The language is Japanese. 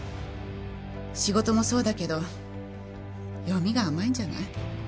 仕事もそうだけど読みが甘いんじゃない？